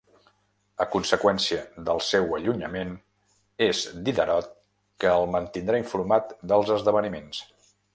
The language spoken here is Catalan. A conseqüència del seu allunyament, és Diderot que el mantindrà informat dels esdeveniments.